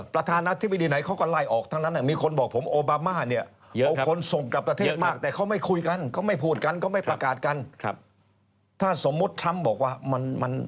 เพราะตอนนี้ก็เริ่มถอยแล้วเหมือนกัน